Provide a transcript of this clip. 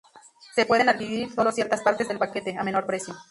Se pueden adquirir solo ciertas partes del paquete, a menor precio.